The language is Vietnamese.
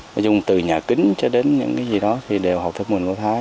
nói chung từ nhà kính cho đến những gì đó thì đều học thức môn của thái